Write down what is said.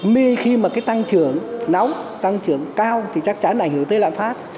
mê khi mà cái tăng trưởng nóng tăng trưởng cao thì chắc chắn là hướng tới lạm phát